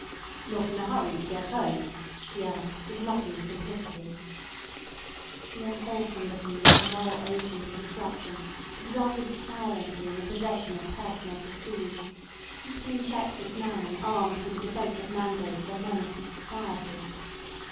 "Not in a hurry to get home?" he asked, with mocking simplicity. The unwholesome looking little moral agent of destruction exulted silently in the possession of personal prestige, keeping in check this man armed with the defensive mandate of a menaced society.